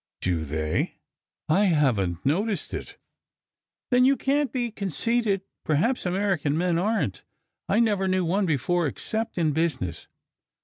"Do they? I haven t noticed it." "Then you can t be conceited. Perhaps American men aren t. I never knew one before, except in business."